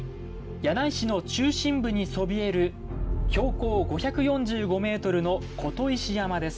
柳井市の中心部にそびえる標高５４５ｍの琴石山です。